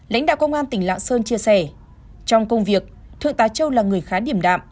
lãnh đạo công an tỉnh lạng sơn chia sẻ trong công việc thượng tá châu là người khá điểm đạm